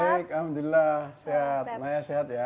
baik alhamdulillah sehat naya sehat ya